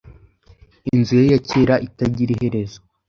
Inzu ye ya kera itagira iherezo